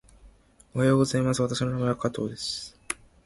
おはようございます。私の名前は加藤です。